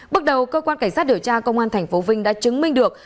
bước đầu cơ quan cảnh sát điều tra công an tp vinh đã chứng minh được